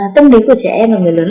tâm lý của trẻ em là người lớn